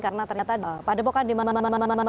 karena ternyata pada pokoknya